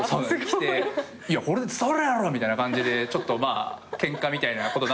きていやこれで伝わるやろ！みたいな感じでちょっとまあケンカみたいなことに。